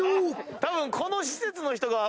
たぶんこの施設の人が。